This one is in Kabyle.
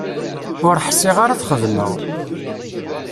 Ur ḥsiɣ ara ad t-xedmeɣ.